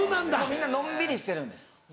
みんなのんびりしてるんです。